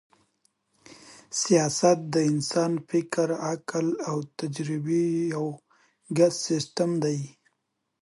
سیاست د انسان د فکر، عقل او تجربې یو ګډ سیسټم دئ.